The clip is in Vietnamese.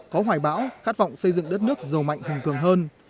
có hoài bão khát vọng xây dựng đất nước giàu mạnh hùng cường hơn